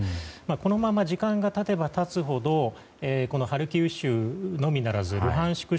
このまま時間が経てば経つほどハルキウ州のみならずルハンシク